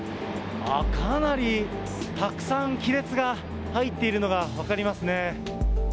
かなりたくさん亀裂が入っているのが分かりますね。